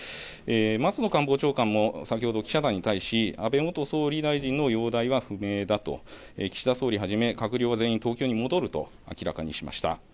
松野官房長官も先ほど記者団に対し、安倍元総理大臣の容体は不明だと岸田総理はじめ閣僚は全員東京に戻ると明らかにしました。